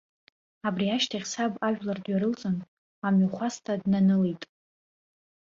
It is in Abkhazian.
Абри ашьҭахь саб ажәлар дҩарылҵын, амҩахәасҭа днанылеит.